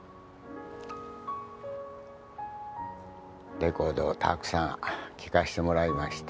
レコードをたくさん聞かしてもらいました。